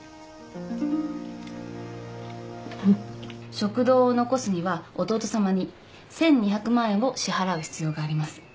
食堂を残すには弟さまに１，２００万円を支払う必要があります。